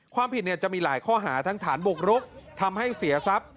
ความผิดจะมีหลายข้อหาทั้งฐานบุกรุกทำให้เสียทรัพย์